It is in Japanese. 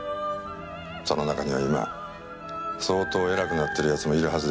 その中には今相当偉くなってる奴もいるはずですよ。